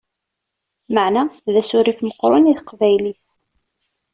Meεna d asurif meqqren i teqbaylit!